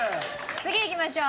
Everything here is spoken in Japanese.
次いきましょう。